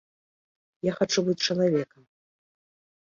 Я хачу быць чалавекам.